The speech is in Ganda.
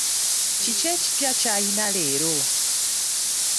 Kiki ekipya ky'alina leero?